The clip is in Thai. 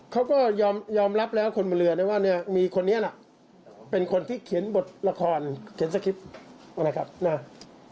เขาก็ยอมรับแล้วคนบนเรือว่ามีคนนี้เป็นคนที่เขียนบทละครเขียนสคริปต์